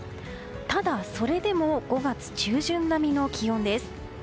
ただ、それでも５月中旬並みの気温です。